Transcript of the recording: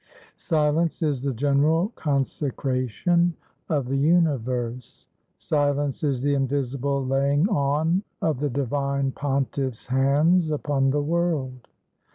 Silence is the general consecration of the universe. Silence is the invisible laying on of the Divine Pontiff's hands upon the world.